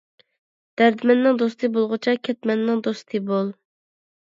دەردمەننىڭ دوستى بولغۇچە، كەتمەننىڭ دوستى بول.